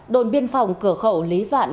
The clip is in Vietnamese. đồn biên phòng cửa khẩu lý vạn